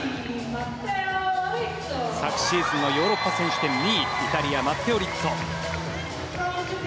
昨シーズンのヨーロッパ選手権２位イタリア、マッテオ・リッツォ。